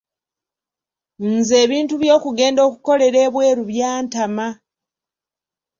Nze ebintu by'okugenda okukolera ebweru byantama.